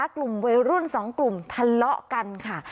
กลุ่มวัยรุ่น๒กลุ่มทะเลาะกันค่ะ